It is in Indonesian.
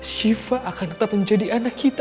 shiva akan tetap menjadi anak kita